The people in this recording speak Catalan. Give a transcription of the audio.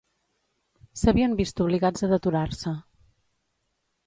S'havien vist obligats a deturar-se